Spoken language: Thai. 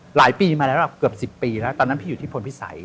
หลายปีมาแล้วแบบเกือบ๑๐ปีแล้วตอนนั้นพี่อยู่ที่พลพิสัย